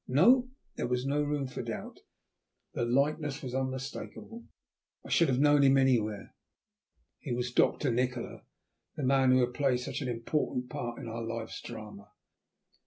No! there was no room for doubt; the likeness was unmistakable. I should have known him anywhere. He was Doctor Nikola; the man who had played such an important part in our life's drama.